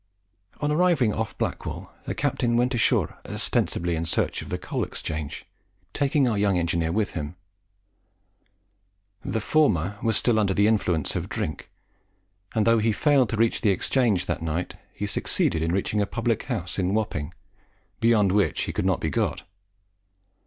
On arriving off Blackwall the captain went ashore ostensibly in search of the Coal Exchange, taking our young engineer with him. The former was still under the influence of drink; and though he failed to reach the Exchange that night, he succeeded in reaching a public house in Wapping, beyond which he could not be got.